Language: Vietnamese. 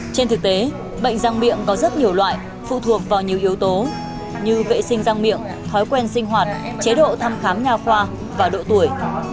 trên thực tế bệnh răng miệng có rất nhiều loại phụ thuộc vào nhiều yếu tố như vệ sinh răng miệng thói quen sinh hoạt chế độ thăm khám nhà khoa và độ tuổi